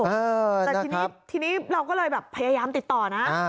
อ้าวทีนี้เราก็เลยแบบพยายามติดต่อนะ